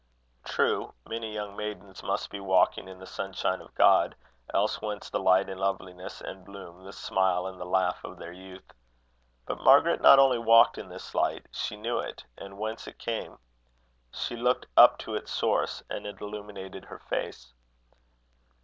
True, many young maidens must be walking in the sunshine of God, else whence the light and loveliness and bloom, the smile and the laugh of their youth? But Margaret not only walked in this light: she knew it and whence it came. She looked up to its source, and it illuminated her face.